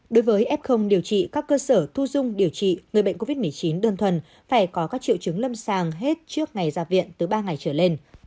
đối với f điều trị các cơ sở thu dung điều trị người bệnh covid một mươi chín đơn thuần phải có các triệu chứng lâm sàng hết trước ngày ra viện từ ba ngày trở lên